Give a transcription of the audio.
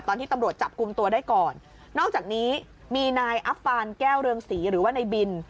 ตอนที่ตำรวจจับกลุ่มตัวได้ก่อนนอกจากนี้มีนายอัฟฟานแก้วเรืองศรีหรือว่าในบิน